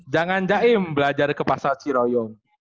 jangan jaim belajar ke pasar ciroyong